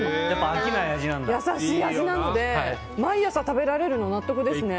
優しい味なので毎朝食べられるの納得ですね。